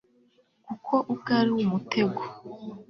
kuko ubwe ari umutego